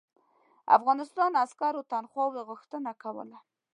افغانستان عسکرو تنخواوو غوښتنه کوله.